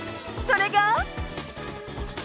それが。